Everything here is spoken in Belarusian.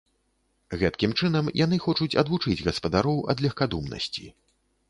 Гэткім чынам яны хочуць адвучыць гаспадароў ад легкадумнасці.